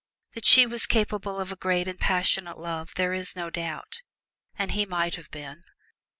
That she was capable of a great and passionate love there is no doubt, and he might have been.